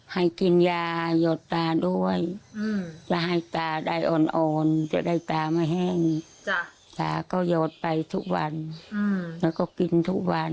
ให้กินยะหยดต